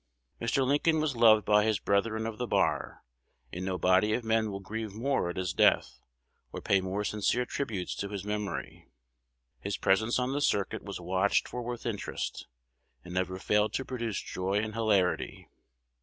"Mr. Lincoln was loved by his brethren of the bar; and no body of men will grieve more at his death, or pay more sincere tributes to his memory. His presence on the circuit was watched for with interest, and never failed to produce joy and hilarity.